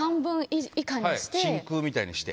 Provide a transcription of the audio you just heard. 真空みたいにして。